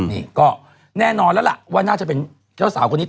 นี่ก็แน่นอนแล้วล่ะว่าน่าจะเป็นเจ้าสาวคนนี้